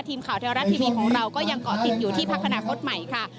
ทีมข่าวเทวรัฐทีวีของเราก็ยังเกาะติดอยู่ที่พักอนาคตใหม่ค่ะ